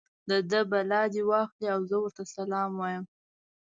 د ده بلا دې واخلي او زه ورته سلام وایم.